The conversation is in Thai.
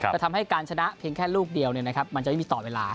ทำให้การชนะเพียงแค่ลูกเดียวมันจะไม่มีต่อเวลา